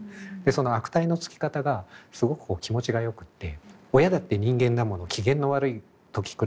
その悪態のつき方がすごく気持ちがよくって「親だって人間だもの機嫌の悪いときくらいあるのよ。